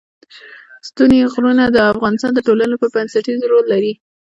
ستوني غرونه د افغانستان د ټولنې لپاره بنسټيز رول لري.